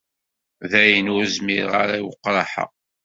Dayen, ur zmireɣ ara i weqraḥ-a.